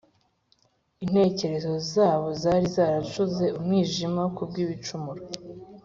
Intekerezo zabo zari zaracuze umwijima kubw’ibicumuro